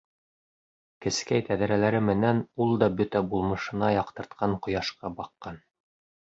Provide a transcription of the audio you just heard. Кескәй тәҙрәләре менән ул да бөтә булмышына яҡтыртҡан ҡояшҡа баҡҡан.